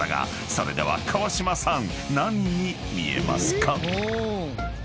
［それでは川島さん何に見えますか？］